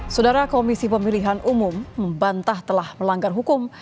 saudara komisi pemilihan umum membantah telah melanggar hukum